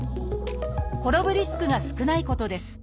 転ぶリスクが少ないことです